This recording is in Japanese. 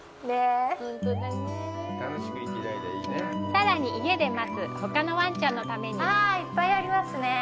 さらに、家で待つほかのわんちゃんのためにいっぱいありますね。